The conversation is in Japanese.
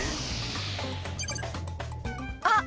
あっ！